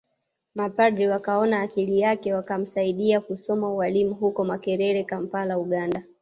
Mapadre wakaona akili yake wakamsaidia kusoma ualimu huko Makerere Kampala Uganda